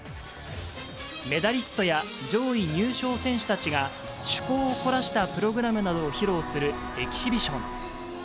メダリストや上位入賞選手たちが、趣向を凝らしたプログラムなどを披露するエキシビション。